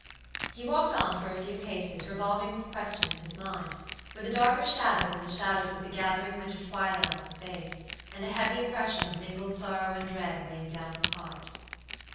He walked on for a few paces revolving this question in his mind, with a darker shadow than the shadows of the gathering winter twilight on his face, and a heavy oppression of mingled sorrow and dread weighing down his heart.